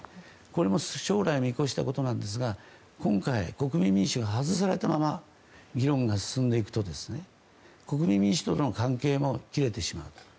これも将来を見越したことなんですが今回、国民民主が外されたまま議論が進んでいくと国民民主党との関係も切れてしまうと。